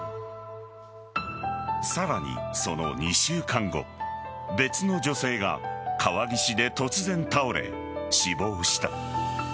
さらに、その２週間後別の女性が川岸で突然倒れ死亡した。